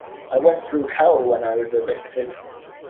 I went through hell when I was evicted.